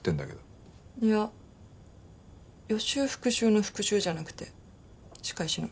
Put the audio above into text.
いや予習復習の復習じゃなくて仕返しの。